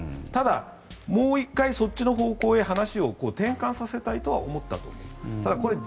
ただ、もう１回そっちの方向へ話を転換させたいとは思ったと思うんです。